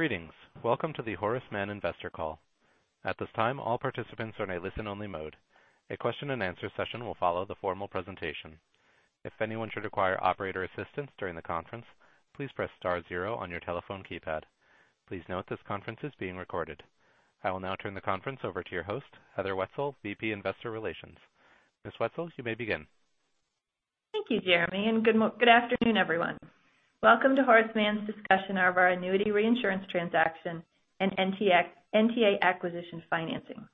Greetings. Welcome to the Horace Mann investor call. At this time, all participants are in a listen-only mode. A question and answer session will follow the formal presentation. If anyone should require operator assistance during the conference, please press star zero on your telephone keypad. Please note this conference is being recorded. I will now turn the conference over to your host, Heather Wietzel, VP Investor Relations. Ms. Wetzel, you may begin. Thank you, Jeremy, and good afternoon, everyone. Welcome to Horace Mann's discussion of our annuity reinsurance transaction and NTA acquisition financing.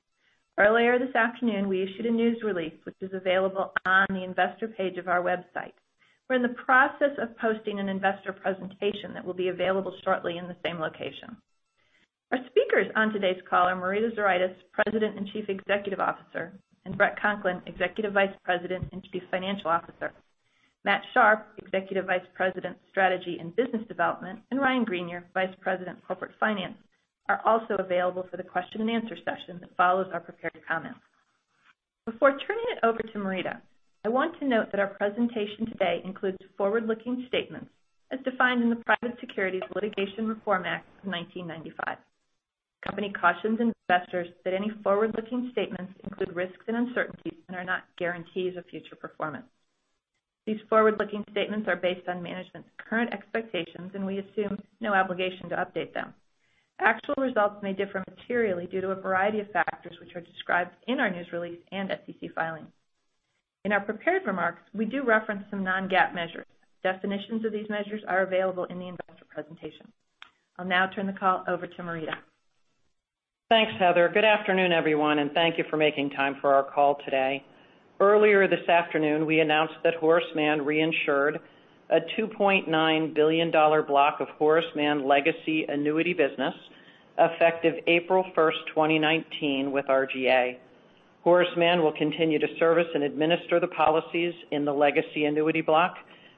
Earlier this afternoon, we issued a news release, which is available on the investor page of our website. We're in the process of posting an investor presentation that will be available shortly in the same location. Our speakers on today's call are Marita Zuraitis, President and Chief Executive Officer, and Bret Conklin, Executive Vice President and Chief Financial Officer. Matthew Sharpe, Executive Vice President, Strategy and Business Development, and Ryan Greenier, Vice President of Corporate Finance, are also available for the question and answer session that follows our prepared comments. Before turning it over to Marita, I want to note that our presentation today includes forward-looking statements as defined in the Private Securities Litigation Reform Act of 1995. The Company cautions investors that any forward-looking statements include risks and uncertainties and are not guarantees of future performance. These forward-looking statements are based on management's current expectations, and we assume no obligation to update them. Actual results may differ materially due to a variety of factors, which are described in our news release and SEC filings. In our prepared remarks, we do reference some non-GAAP measures. Definitions of these measures are available in the investor presentation. I'll now turn the call over to Marita. Thanks, Heather. Good afternoon, everyone, and thank you for making time for our call today. Earlier this afternoon, we announced that Horace Mann reinsured a $2.9 billion block of Horace Mann legacy annuity business effective April 1st, 2019, with Reinsurance Group of America. Horace Mann will continue to service and administer the policies in the legacy annuity block,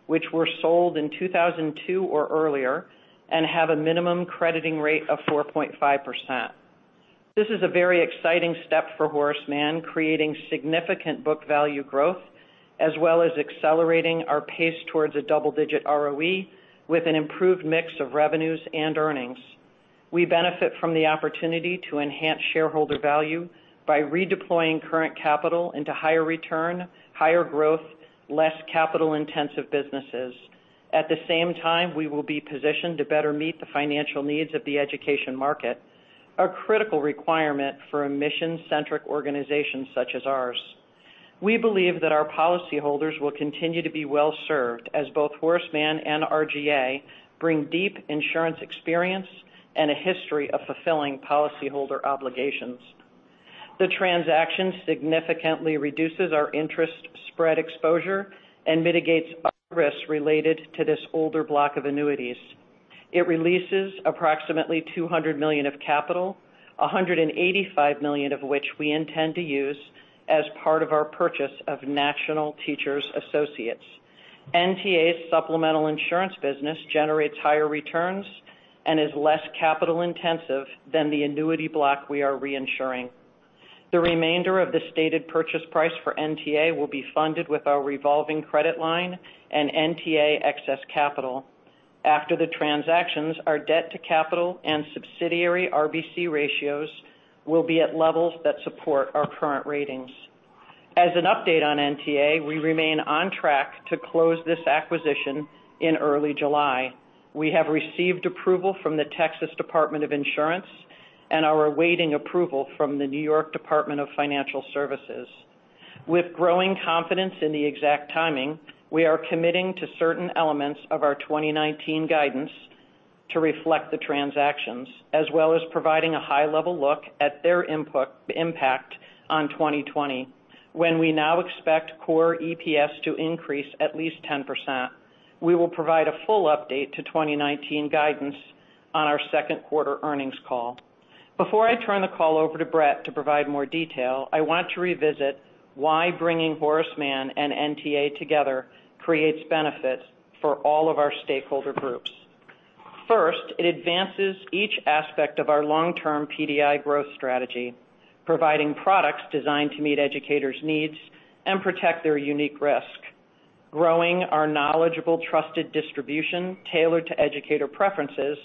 which were sold in 2002 or earlier and have a minimum crediting rate of 4.5%. This is a very exciting step for Horace Mann, creating significant book value growth, as well as accelerating our pace towards a double-digit ROE with an improved mix of revenues and earnings. We benefit from the opportunity to enhance shareholder value by redeploying current capital into higher return, higher growth, less capital-intensive businesses. At the same time, we will be positioned to better meet the financial needs of the education market, a critical requirement for a mission-centric organization such as ours. We believe that our policyholders will continue to be well-served as both Horace Mann and RGA bring deep insurance experience and a history of fulfilling policyholder obligations. The transaction significantly reduces our interest spread exposure and mitigates our risk related to this older block of annuities. It releases approximately $200 million of capital, $185 million of which we intend to use as part of our purchase of National Teachers Associates. NTA's supplemental insurance business generates higher returns and is less capital-intensive than the annuity block we are reinsuring. The remainder of the stated purchase price for NTA will be funded with our revolving credit line and NTA excess capital. After the transactions, our debt to capital and subsidiary RBC ratios will be at levels that support our current ratings. As an update on NTA, we remain on track to close this acquisition in early July. We have received approval from the Texas Department of Insurance and are awaiting approval from the New York Department of Financial Services. With growing confidence in the exact timing, we are committing to certain elements of our 2019 guidance to reflect the transactions, as well as providing a high-level look at their impact on 2020. We now expect core EPS to increase at least 10%. We will provide a full update to 2019 guidance on our second quarter earnings call. Before I turn the call over to Bret to provide more detail, I want to revisit why bringing Horace Mann and NTA together creates benefits for all of our stakeholder groups. First, it advances each aspect of our long-term PDI growth strategy, providing products designed to meet educators' needs and protect their unique risk, growing our knowledgeable, trusted distribution tailored to educator preferences,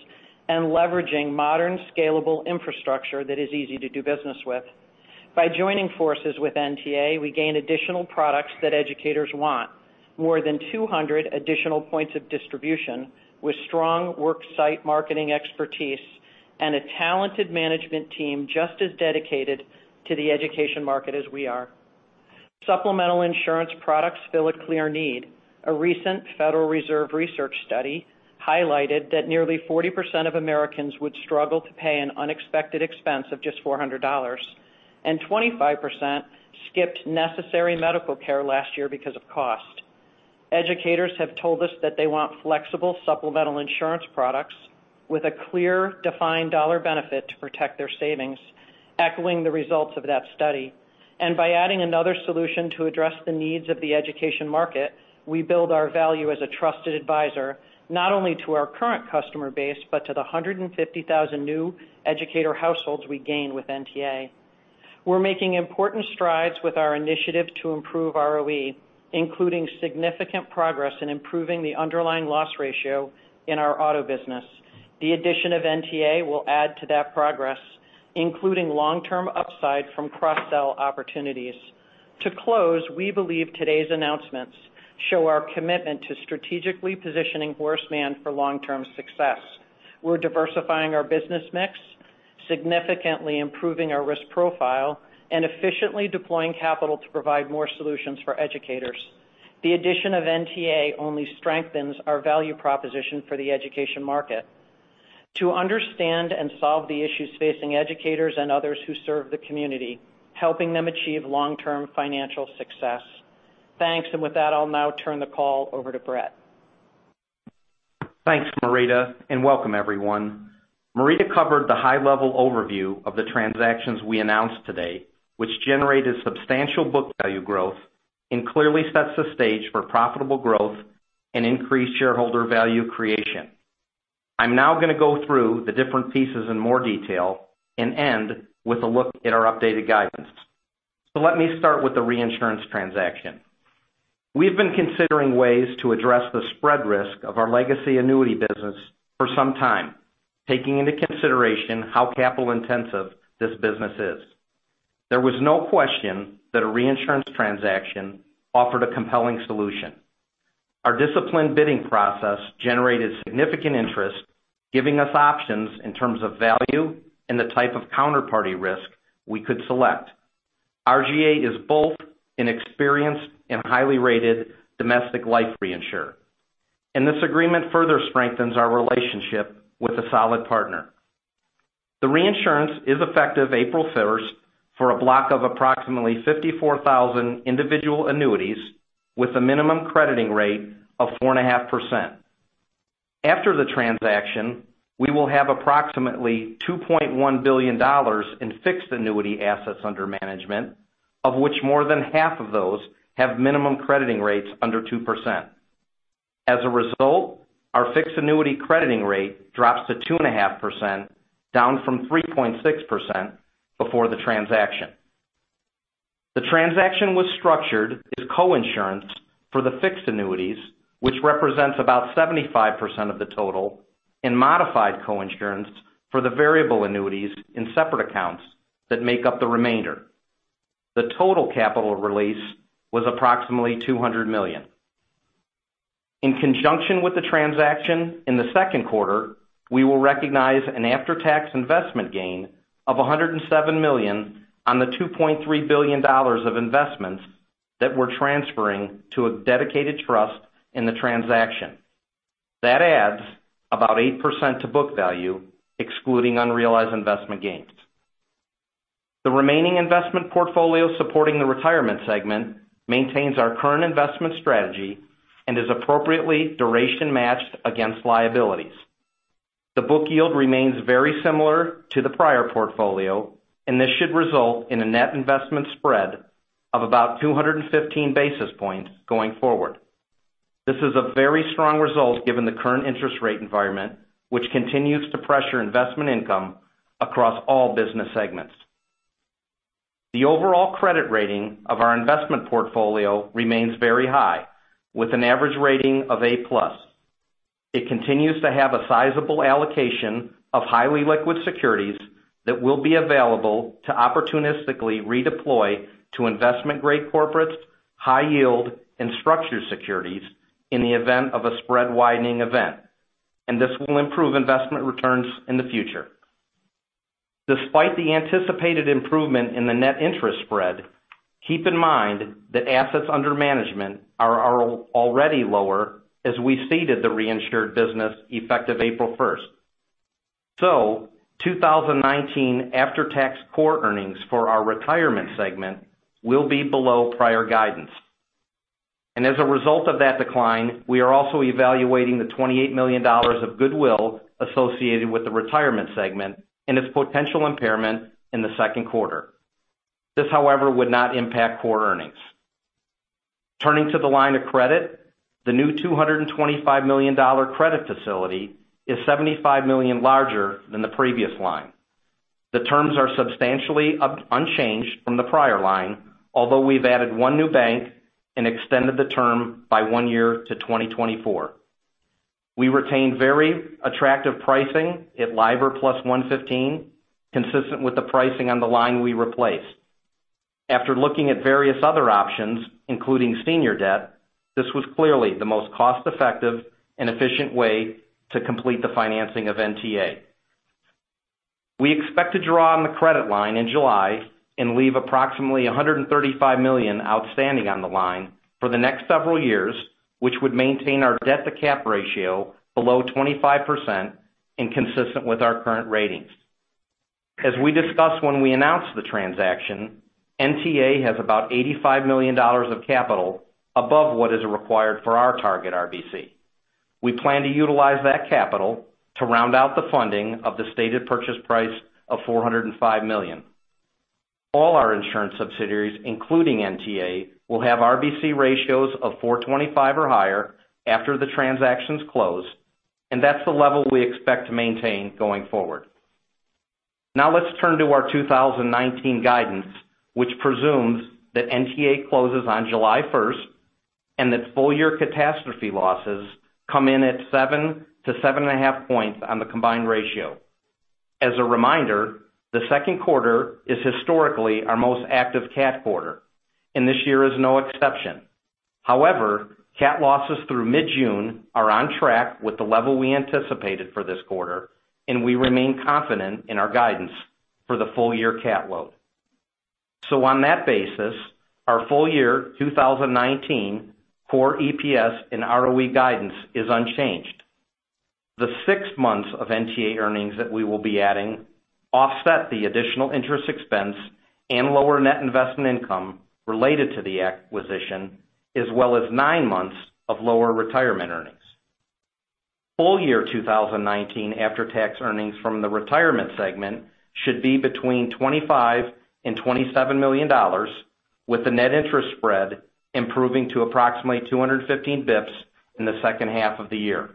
and leveraging modern, scalable infrastructure that is easy to do business with. By joining forces with NTA, we gain additional products that educators want. More than 200 additional points of distribution with strong work site marketing expertise and a talented management team just as dedicated to the education market as we are. Supplemental insurance products fill a clear need. A recent Federal Reserve research study highlighted that nearly 40% of Americans would struggle to pay an unexpected expense of just $400, and 25% skipped necessary medical care last year because of cost. Educators have told us that they want flexible supplemental insurance products with a clear defined dollar benefit to protect their savings, echoing the results of that study. By adding another solution to address the needs of the education market, we build our value as a trusted advisor, not only to our current customer base, but to the 150,000 new educator households we gain with NTA. We are making important strides with our initiative to improve ROE, including significant progress in improving the underlying loss ratio in our auto business. The addition of NTA will add to that progress, including long-term upside from cross-sell opportunities. To close, we believe today's announcements show our commitment to strategically positioning Horace Mann for long-term success. We are diversifying our business mix, significantly improving our risk profile, and efficiently deploying capital to provide more solutions for educators. The addition of NTA only strengthens our value proposition for the education market to understand and solve the issues facing educators and others who serve the community, helping them achieve long-term financial success. Thanks. With that, I'll now turn the call over to Bret. Thanks, Marita, and welcome everyone. Marita covered the high-level overview of the transactions we announced today, which generated substantial book value growth and clearly sets the stage for profitable growth and increased shareholder value creation. I'm now going to go through the different pieces in more detail and end with a look at our updated guidance. Let me start with the reinsurance transaction. We've been considering ways to address the spread risk of our legacy annuity business for some time, taking into consideration how capital-intensive this business is. There was no question that a reinsurance transaction offered a compelling solution. Our disciplined bidding process generated significant interest, giving us options in terms of value and the type of counterparty risk we could select. RGA is both an experienced and highly rated domestic life reinsurer, and this agreement further strengthens our relationship with a solid partner. The reinsurance is effective April 1st for a block of approximately 54,000 individual annuities with a minimum crediting rate of 4.5%. After the transaction, we will have approximately $2.1 billion in fixed annuity assets under management, of which more than half of those have minimum crediting rates under 2%. As a result, our fixed annuity crediting rate drops to 2.5%, down from 3.6% before the transaction. The transaction was structured as co-insurance for the fixed annuities, which represents about 75% of the total, and modified co-insurance for the variable annuities in separate accounts that make up the remainder. The total capital release was approximately $200 million. In conjunction with the transaction, in the second quarter, we will recognize an after-tax investment gain of $107 million on the $2.3 billion of investments that we're transferring to a dedicated trust in the transaction. That adds about 8% to book value, excluding unrealized investment gains. The remaining investment portfolio supporting the retirement segment maintains our current investment strategy and is appropriately duration-matched against liabilities. The book yield remains very similar to the prior portfolio, and this should result in a net investment spread of about 215 basis points going forward. This is a very strong result given the current interest rate environment, which continues to pressure investment income across all business segments. The overall credit rating of our investment portfolio remains very high, with an average rating of A-plus. It continues to have a sizable allocation of highly liquid securities that will be available to opportunistically redeploy to investment-grade corporates, high yield, and structured securities in the event of a spread widening event, and this will improve investment returns in the future. Despite the anticipated improvement in the net interest spread, keep in mind that assets under management are already lower as we ceded the reinsured business effective April 1st. 2019 after-tax core earnings for our retirement segment will be below prior guidance. As a result of that decline, we are also evaluating the $28 million of goodwill associated with the retirement segment and its potential impairment in the second quarter. This, however, would not impact core earnings. Turning to the line of credit, the new $225 million credit facility is $75 million larger than the previous line. The terms are substantially unchanged from the prior line, although we've added one new bank and extended the term by one year to 2024. We retained very attractive pricing at LIBOR plus 115, consistent with the pricing on the line we replaced. After looking at various other options, including senior debt, this was clearly the most cost-effective and efficient way to complete the financing of NTA. We expect to draw on the credit line in July and leave approximately $135 million outstanding on the line for the next several years, which would maintain our debt-to-cap ratio below 25% and consistent with our current ratings. As we discussed when we announced the transaction, NTA has about $85 million of capital above what is required for our target RBC. We plan to utilize that capital to round out the funding of the stated purchase price of $405 million. All our insurance subsidiaries, including NTA, will have RBC ratios of 425 or higher after the transaction's close. That's the level we expect to maintain going forward. Now let's turn to our 2019 guidance, which presumes that NTA closes on July 1st, and that full year catastrophe losses come in at 7 to 7.5 points on the combined ratio. As a reminder, the second quarter is historically our most active cat quarter, and this year is no exception. However, cat losses through mid-June are on track with the level we anticipated for this quarter, and we remain confident in our guidance for the full-year cat load. On that basis, our full year 2019 core EPS and ROE guidance is unchanged. The six months of NTA earnings that we will be adding offset the additional interest expense and lower net investment income related to the acquisition, as well as nine months of lower retirement earnings. Full year 2019 after-tax earnings from the retirement segment should be between $25 million and $27 million, with the net interest spread improving to approximately 215 basis points in the second half of the year.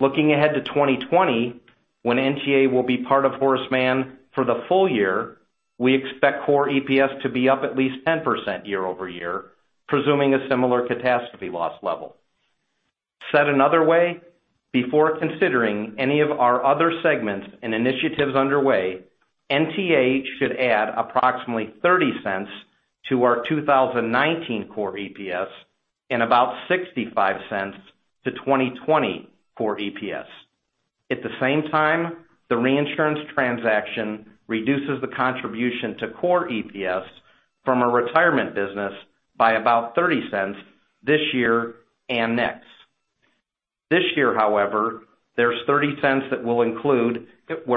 Looking ahead to 2020, when NTA will be part of Horace Mann for the full year, we expect core EPS to be up at least 10% year-over-year, presuming a similar catastrophe loss level. Said another way, before considering any of our other segments and initiatives underway, NTA should add approximately $0.30 to our 2019 core EPS and about $0.65 to 2020 core EPS. At the same time, the reinsurance transaction reduces the contribution to core EPS from a retirement business by about $0.30 this year and next. This year, however,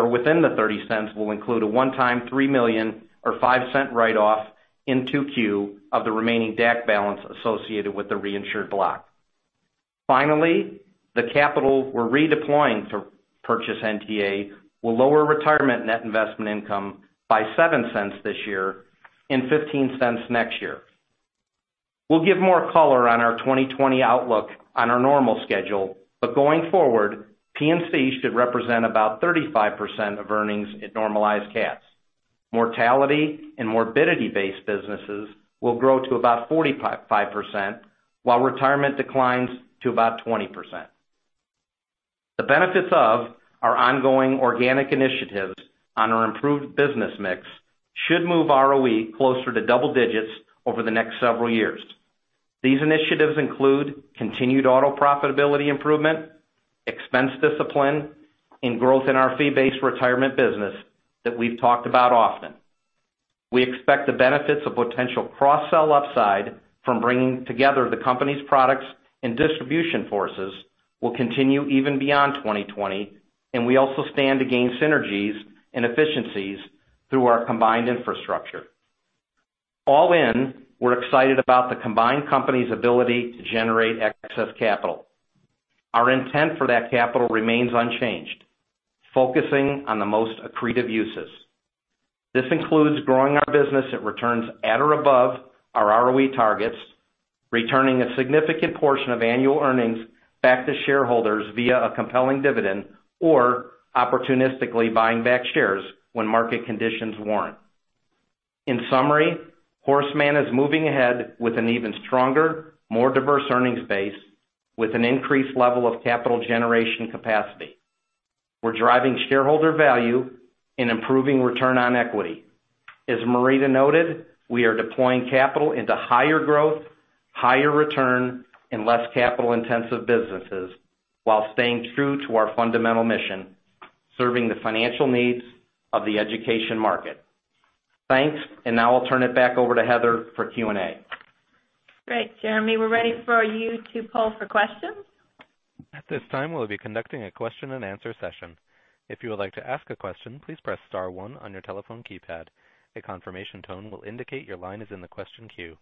within the $0.30 will include a one-time $3 million or $0.05 write-off in 2Q of the remaining DAC balance associated with the reinsured block. Finally, the capital we're redeploying to purchase NTA will lower retirement net investment income by $0.07 this year and $0.15 next year. We'll give more color on our 2020 outlook on our normal schedule. Going forward, P&C should represent about 35% of earnings at normalized cats. Mortality and morbidity-based businesses will grow to about 45%, while retirement declines to about 20%. The benefits of our ongoing organic initiatives on our improved business mix should move ROE closer to double digits over the next several years. These initiatives include continued auto profitability improvement, expense discipline, and growth in our fee-based retirement business that we've talked about often. We expect the benefits of potential cross-sell upside from bringing together the company's products and distribution forces will continue even beyond 2020. We also stand to gain synergies and efficiencies through our combined infrastructure. All in, we're excited about the combined company's ability to generate excess capital. Our intent for that capital remains unchanged, focusing on the most accretive uses. This includes growing our business at returns at or above our ROE targets, returning a significant portion of annual earnings back to shareholders via a compelling dividend or opportunistically buying back shares when market conditions warrant. In summary, Horace Mann is moving ahead with an even stronger, more diverse earnings base with an increased level of capital generation capacity. We're driving shareholder value and improving return on equity. As Marita noted, we are deploying capital into higher growth, higher return, and less capital-intensive businesses while staying true to our fundamental mission, serving the financial needs of the education market. Thanks. Now I'll turn it back over to Heather for Q&A. Great, Jeremy. We're ready for you to poll for questions. At this time, we'll be conducting a question and answer session. If you would like to ask a question, please press star one on your telephone keypad. A confirmation tone will indicate your line is in the question queue.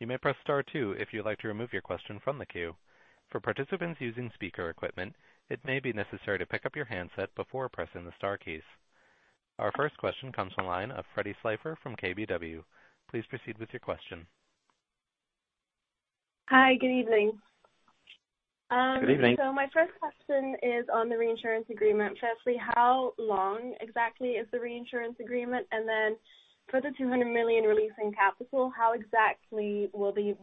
You may press star two if you'd like to remove your question from the queue. For participants using speaker equipment, it may be necessary to pick up your handset before pressing the star keys. Our first question comes from the line of Meyer Shields from KBW. Please proceed with your question. Hi, good evening. Good evening. My first question is on the reinsurance agreement. Firstly, how long exactly is the reinsurance agreement? For the $200 million releasing capital, how exactly will the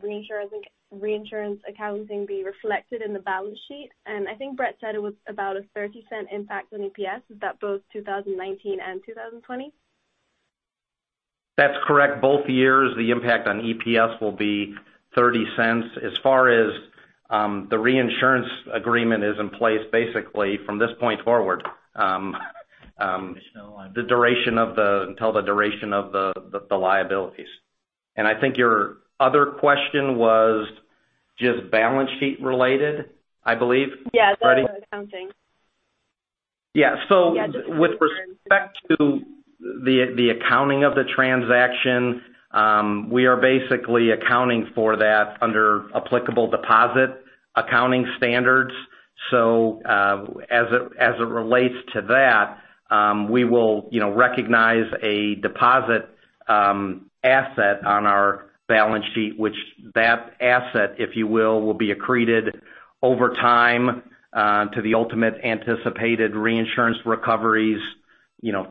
reinsurance accounting be reflected in the balance sheet? I think Bret said it was about a $0.30 impact on EPS. Is that both 2019 and 2020? That's correct. Both years, the impact on EPS will be $0.30. As far as the reinsurance agreement is in place basically from this point forward. Until the duration of the liabilities. I think your other question was just balance sheet related, I believe. Correct? The accounting. With respect to the accounting of the transaction, we are basically accounting for that under applicable deposit accounting standards. As it relates to that, we will recognize a deposit asset on our balance sheet, which that asset, if you will be accreted over time to the ultimate anticipated reinsurance recoveries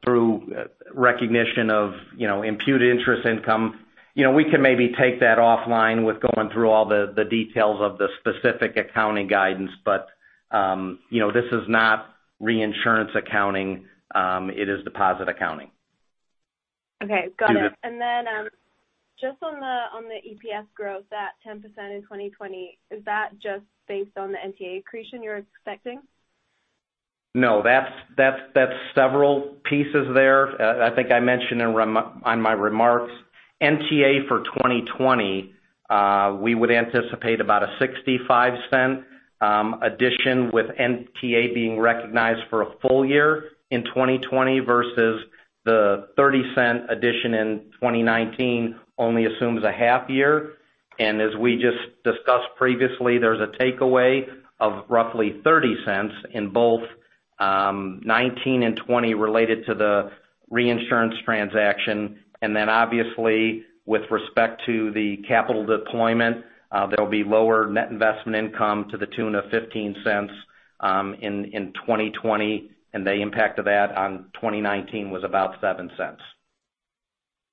through recognition of imputed interest income. We can maybe take that offline with going through all the details of the specific accounting guidance, but this is not reinsurance accounting. It is deposit accounting. Okay, got it. Just on the EPS growth, that 10% in 2020, is that just based on the NTA accretion you're expecting? No, that's several pieces there. I think I mentioned on my remarks, NTA for 2020, we would anticipate about a $0.65 addition with NTA being recognized for a full year in 2020 versus the $0.30 addition in 2019 only assumes a half year. As we just discussed previously, there's a takeaway of roughly $0.30 in both 2019 and 2020 related to the reinsurance transaction. Obviously, with respect to the capital deployment, there'll be lower net investment income to the tune of $0.15 in 2020. The impact of that on 2019 was about $0.07.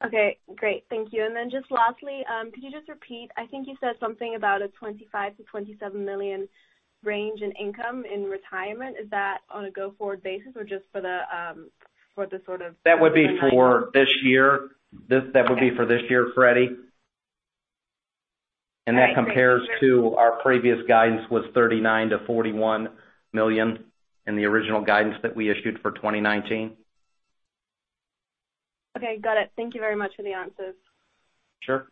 Okay, great. Thank you. Just lastly, could you just repeat, I think you said something about a $25 million-$27 million range in income in retirement. Is that on a go-forward basis or just for the sort of- That would be for this year, Freddy. Okay. That compares to our previous guidance was $39 million-$41 million in the original guidance that we issued for 2019. Okay, got it. Thank you very much for the answers. Sure.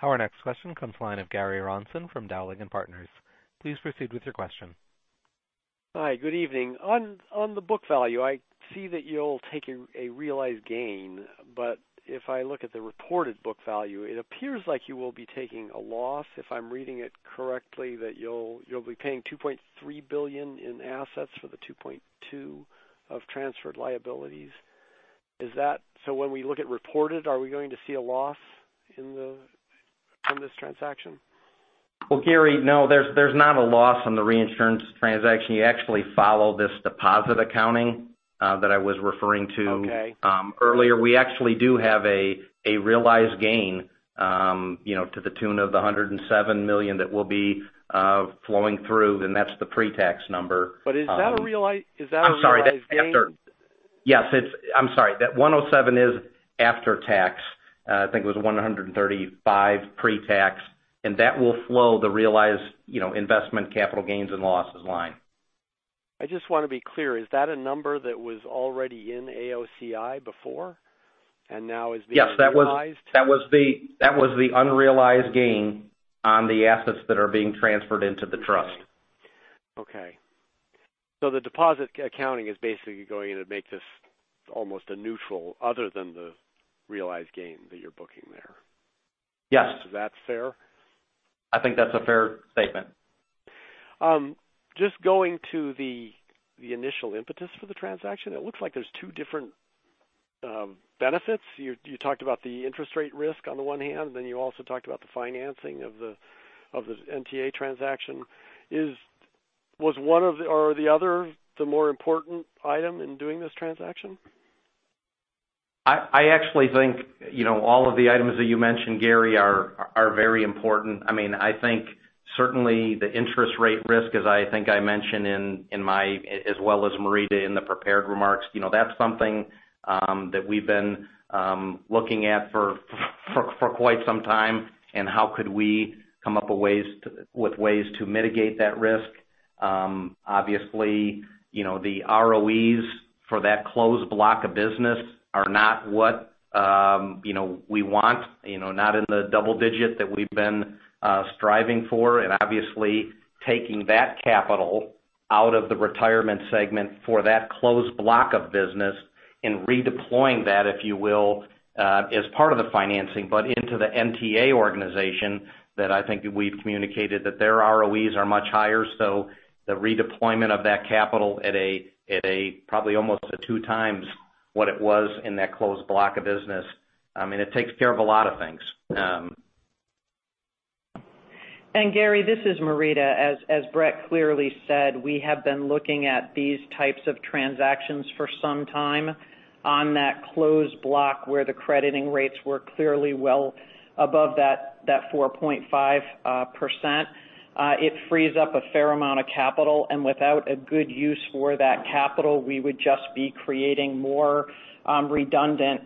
Our next question comes line of Gary Ransom from Dowling & Partners. Please proceed with your question. Hi, good evening. On the book value, I see that you'll take a realized gain. If I look at the reported book value, it appears like you will be taking a loss if I'm reading it correctly, that you'll be paying $2.3 billion in assets for the $2.2 billion of transferred liabilities. When we look at reported, are we going to see a loss from this transaction? Well, Gary, no, there's not a loss on the reinsurance transaction. You actually follow this deposit accounting that I was referring to. Okay earlier. We actually do have a realized gain to the tune of $107 million that will be flowing through. That's the pre-tax number. Is that a realized gain? I'm sorry. Yes. I'm sorry. That $107 is after tax. I think it was $135 pre-tax. That will flow the realized investment capital gains and losses line. I just want to be clear, is that a number that was already in AOCI before and now is being realized? Yes, that was the unrealized gain on the assets that are being transferred into the trust. Okay. The deposit accounting is basically going to make this almost a neutral other than the realized gain that you're booking there. Yes. Is that fair? I think that's a fair statement. Just going to the initial impetus for the transaction, it looks like there's two different benefits. You talked about the interest rate risk on the one hand, you also talked about the financing of the NTA transaction. Was one or the other the more important item in doing this transaction? I actually think all of the items that you mentioned, Gary, are very important. I think certainly the interest rate risk, as I think I mentioned as well as Marita, in the prepared remarks, that's something that we've been looking at for quite some time and how could we come up with ways to mitigate that risk. Obviously, the ROEs for that closed block of business are not what we want, not in the double-digit that we've been striving for. Obviously, taking that capital out of the retirement segment for that closed block of business and redeploying that, if you will, as part of the financing, but into the NTA organization that I think we've communicated that their ROEs are much higher. The redeployment of that capital at a probably almost a two times what it was in that closed block of business, it takes care of a lot of things. Gary, this is Marita. As Bret clearly said, we have been looking at these types of transactions for some time on that closed block where the crediting rates were clearly well above that 4.5%. It frees up a fair amount of capital, without a good use for that capital, we would just be creating more redundant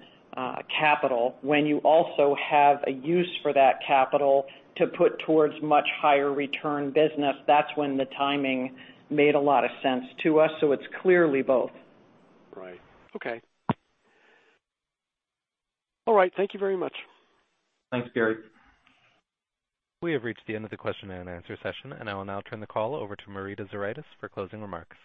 capital. When you also have a use for that capital to put towards much higher return business, that's when the timing made a lot of sense to us. It's clearly both. Right. Okay. All right. Thank you very much. Thanks, Gary. We have reached the end of the question and answer session. I will now turn the call over to Marita Zuraitis for closing remarks.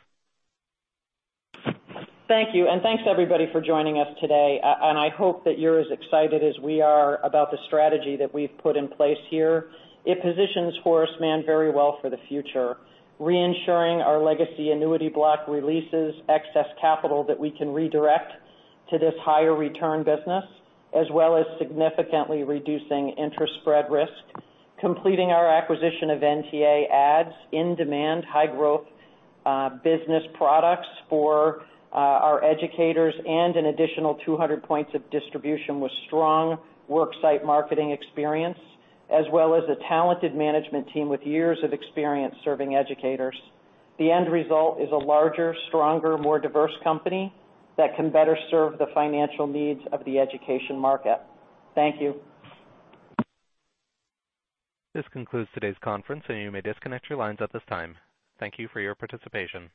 Thank you. Thanks to everybody for joining us today. I hope that you're as excited as we are about the strategy that we've put in place here. It positions Horace Mann very well for the future. Reinsuring our legacy annuity block releases excess capital that we can redirect to this higher return business, as well as significantly reducing interest spread risk. Completing our acquisition of NTA adds in-demand, high-growth business products for our educators and an additional 200 points of distribution with strong work site marketing experience, as well as a talented management team with years of experience serving educators. The end result is a larger, stronger, more diverse company that can better serve the financial needs of the education market. Thank you. This concludes today's conference, and you may disconnect your lines at this time. Thank you for your participation.